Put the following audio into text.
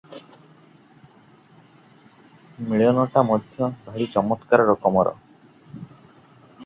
ମିଳନଟା ମଧ୍ୟ ଭାରି ଚମତ୍କାର ରକମର ।